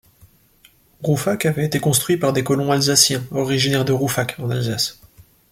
Rouffach avait été construit par des colons alsaciens originaires de Rouffach en Alsace.